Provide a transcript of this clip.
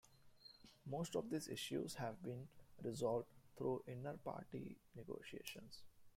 Most of these issues have been resolved through inter-party negotiations.